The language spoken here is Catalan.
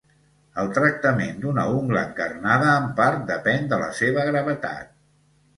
El tractament d'una ungla encarnada en part depèn de la seva gravetat.